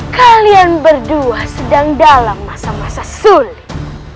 kalian berdua sedang dalam masa masa sulit